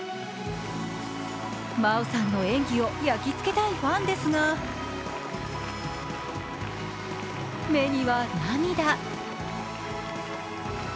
真央さんの演技を焼きつけたいファンですが目には涙。